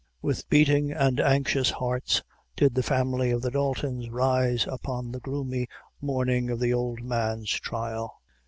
With beating and anxious hearts did the family of the Daltons rise upon the gloomy morning of the old man's trial.